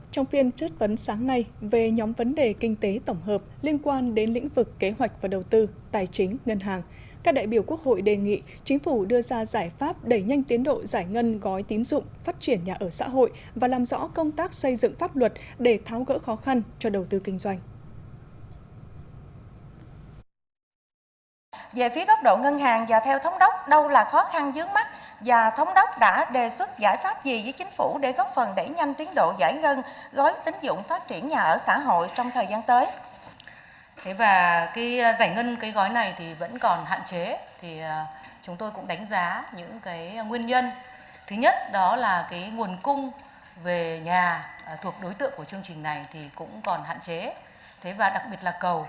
trong phiên thuyết phấn sáng nay về nhóm vấn đề kinh tế tổng hợp liên quan đến lĩnh vực kế hoạch và đầu tư tài chính ngân hàng các đại biểu quốc hội đề nghị chính phủ đưa ra giải pháp đẩy nhanh tiến độ giải ngân gói tín dụng phát triển nhà ở xã hội và làm rõ công tác xây dựng pháp luật để tháo gỡ khó khăn cho đầu tư tài chính ngân hàng các đại biểu quốc hội đề nghị chính phủ đưa ra giải pháp đẩy nhanh tiến độ giải ngân gói tín dụng phát triển nhà ở xã hội và làm rõ công tác xây dựng pháp luật để th